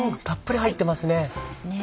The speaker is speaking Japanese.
たっぷり入ってますね。